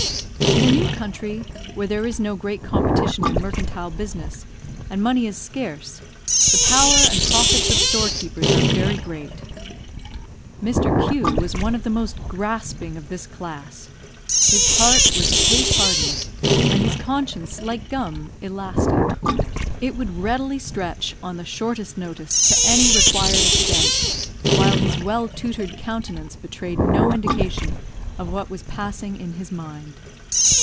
In a new country, where there is no great competition in mercantile business, and money is scarce, the power and profits of store keepers are very great. Mr. Q was one of the most grasping of this class. His heart was case hardened, and his conscience, like gum, elastic; it would readily stretch, on the shortest notice, to any required extent, while his well tutored countenance betrayed no indication of what was passing in his mind.